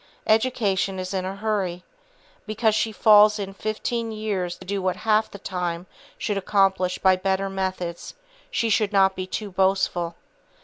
Education is in a hurry. Because she fails in fifteen years to do what half the time should accomplish by better methods, she should not be too boastful.